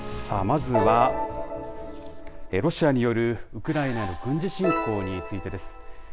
さあ、まずはロシアによるウクライナの軍事侵攻についてです。